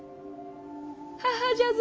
母じゃぞ。